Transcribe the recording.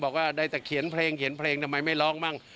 บอกว่าได้แต่เขียนเพลงทำไมไม่ร้องบ้าง